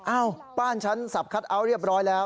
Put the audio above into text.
อ้าวบ้านฉันสับคัทเอาท์เรียบร้อยแล้ว